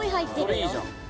それいいじゃん